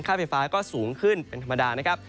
ค่าไฟฟ้าก็สูงขึ้นเป็นธรรมดา